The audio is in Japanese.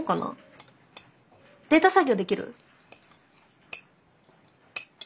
データ作業できる？